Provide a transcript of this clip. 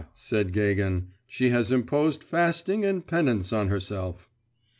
said Gagin; 'she has imposed fasting and penance on herself.